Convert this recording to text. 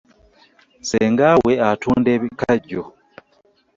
Ssenga we atunda ebikajjo.